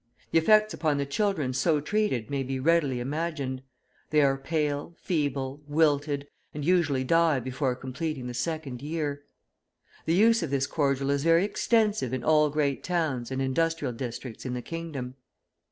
The effects upon the children so treated may be readily imagined. They are pale, feeble, wilted, and usually die before completing the second year. The use of this cordial is very extensive in all great towns and industrial districts in the kingdom.